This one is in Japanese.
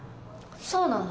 そうなの？